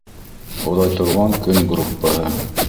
Оҙайтылған көн группаһы.